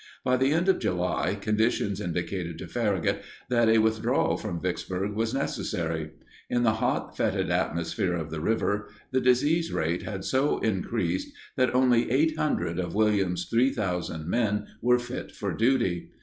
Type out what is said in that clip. By the end of July, conditions indicated to Farragut that a withdrawal from Vicksburg was necessary. In the hot, fetid atmosphere of the river the disease rate had so increased that only 800 of Williams' 3,000 men were fit for duty.